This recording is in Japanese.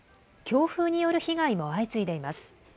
強風による被害も相次いでいます。